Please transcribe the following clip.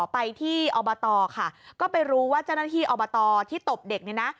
ไปที่อบตค่ะก็ไปรู้ว่าเจ้าหน้าที่อบตที่ตบเด็กเนี่ยนะ